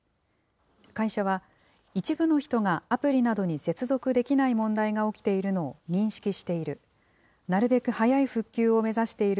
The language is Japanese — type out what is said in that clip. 会社は、一部の人がアプリなどに接続できない問題が起きているのを認識している。